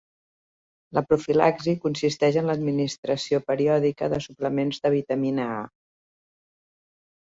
La profilaxi consisteix en l'administració periòdica de suplements de vitamina A.